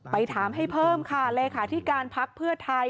ไปถามให้เพิ่มค่ะเลขาธิการพักเพื่อไทย